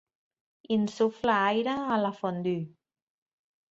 Insufla aire a la fondue.